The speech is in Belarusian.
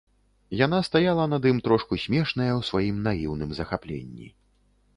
Яна стаяла над ім трошку смешная ў сваім наіўным захапленні.